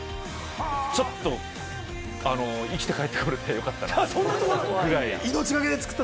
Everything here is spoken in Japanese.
ちょっと生きて帰ってこれてよかったなというぐらい。